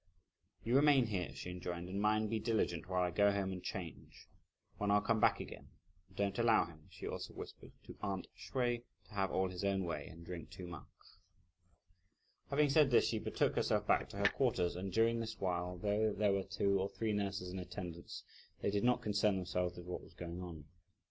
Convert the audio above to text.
"You remain here," she enjoined, "and mind, be diligent while I go home and change; when I'll come back again. Don't allow him," she also whispered to "aunt" Hsüeh, "to have all his own way and drink too much." Having said this, she betook herself back to her quarters; and during this while, though there were two or three nurses in attendance, they did not concern themselves with what was going on.